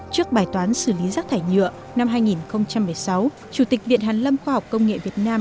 trước bài toán xử lý rác thải nhựa năm hai nghìn một mươi sáu chủ tịch viện hàn lâm khoa học công nghệ việt nam